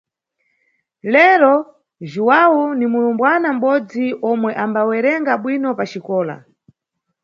Lero, Jhuwawu ni mulumbwana mʼbodzi omwe ambawerenga bwino paxikola.